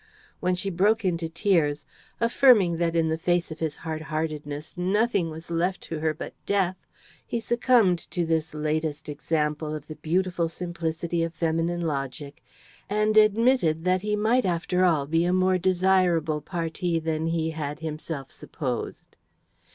When she broke into tears, affirming that, in the face of his hardheartedness, nothing was left to her but death, he succumbed to this latest example of the beautiful simplicity of feminine logic, and admitted that he might after all be a more desirable parti than he had himself supposed.